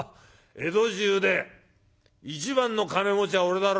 江戸中で一番の金持ちは俺だろ。